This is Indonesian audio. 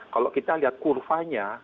kalau kita lihat kurvanya